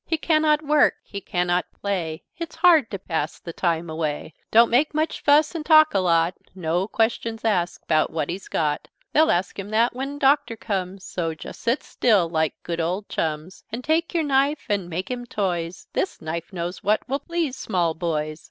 2 "He cannot work, He cannot play; It's hard to pass The time away. 3 "Don't make much fuss An' talk a lot; No questions ask 'Bout what he's got. 4 "They'll ask him that When Doctor comes, So just sit still Like good, ole chums. 5 "An' take your knife An' make him toys This knife knows what Will please small boys.